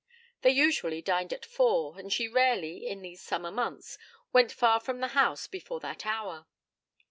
They usually dined at four, and she rarely, in these summer months, went far from the house before that hour.